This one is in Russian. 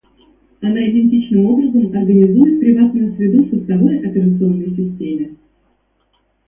Она идентичным образом организует приватную среду в хостовой операционной системе